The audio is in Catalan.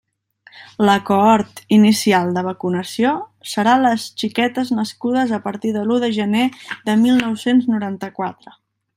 La cohort inicial de vacunació serà les xiquetes nascudes a partir de l'u de gener de mil nou-cents noranta-quatre.